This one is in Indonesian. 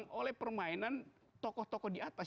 tapi ini adalah permainan tokoh tokoh di atas